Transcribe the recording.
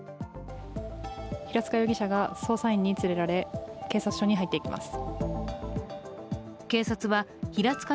平塚容疑者が捜査員に連れられ警察署に入っていきます。